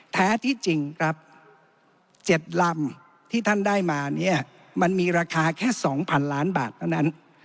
แท้ที่จริงครับ๗ลำที่ท่านได้มาเนี่ยมันมีราคาแค่๒๐๐๐ล้านบาทเท่านั้น